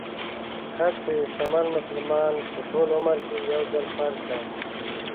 حج په یو شتمن مسلمان په ټول عمر کې يو ځل فرض دی .